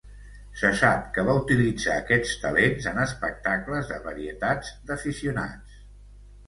Se sap que va utilitzar aquests talents en espectacles de varietats d'aficionats.